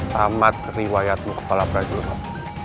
tamat riwayatmu kepala prajurit